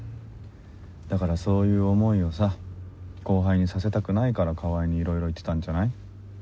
だからそういう思いをさ後輩にさせたくないから川合にいろいろ言ってたんじゃない？